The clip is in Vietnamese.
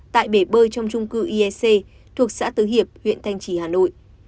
tại bể bơi trong trung cư iec thuộc xã tứ hiệp huyện thanh trì hà nội